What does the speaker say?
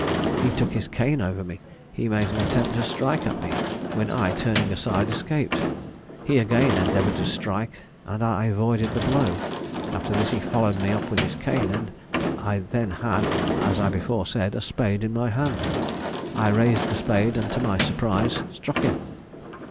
He shook his cane over me; he made an attempt to strike at me, when I, turning aside, escaped; he again endeavoured to strike, and I avoided the blow. After this he followed me up with his cane, and I then had, as I before said, a spade in my hand. I raised the spade, and to my surprise struck him.